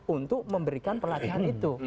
untuk memberikan pelatihan itu